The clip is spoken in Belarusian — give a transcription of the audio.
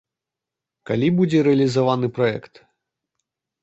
Калі будзе рэалізаваны праект?